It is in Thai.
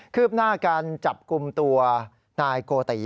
ืบหน้าการจับกลุ่มตัวนายโกติ